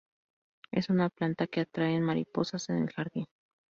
Es una planta que atraen mariposas en el jardín.